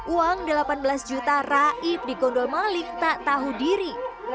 uang delapan belas juta raib di gondol malik tak tahu diri